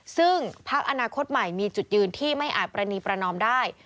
ซึ่งพักอนาคตใหม่มีจุดยืนที่ไม่อาจประนีประนอมได้